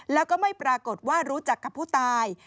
แล้วก็ไม่ปรากฏว่ารู้จักกับผู้ตาย